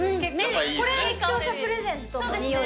これ視聴者プレゼントの匂いじゃない？